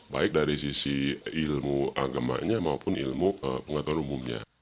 baik dari sisi ilmu agamanya maupun ilmu pengetahuan umumnya